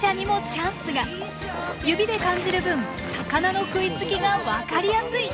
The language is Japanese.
指で感じる分魚の食いつきが分かりやすい！